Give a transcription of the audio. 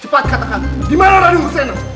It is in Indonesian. cepat katakan di mana raden busena